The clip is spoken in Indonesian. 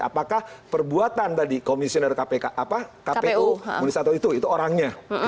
apakah perbuatan tadi komisioner kpu itu orangnya